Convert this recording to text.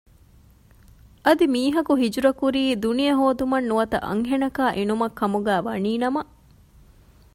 އަދި މީހަކު ހިޖުރަ ކުރީ ދުނިޔެ ހޯދުމަށް ނުވަތަ އަންހެނަކާ އިނުމަށް ކަމުގައި ވަނީ ނަމަ